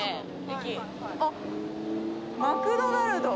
駅あっマクドナルド